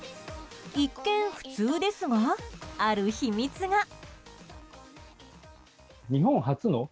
一見、普通ですがある秘密が。